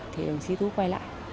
thì đồng chí tú quay lại